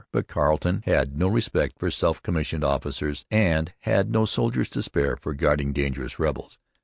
But Carleton had no respect for self commissioned officers and had no soldiers to spare for guarding dangerous rebels.